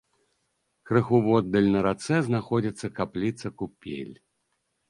Крыху воддаль на рацэ знаходзіцца капліца-купель.